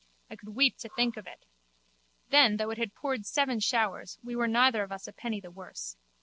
I could weep to think of it. Then, though it had poured seven showers, we were neither of us a penny the worse.